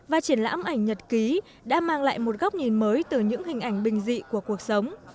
và triển lãm ảnh nhật ký đã mang lại một góc nhìn mới từ những hình ảnh bình dị của cuộc sống